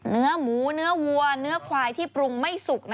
เนื้อหมูเนื้อวัวเนื้อควายที่ปรุงไม่สุก